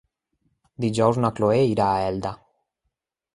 Dijous na Cloè irà a Elda.